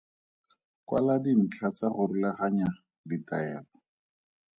Kwala dintlha tsa go rulaganya ditaelo.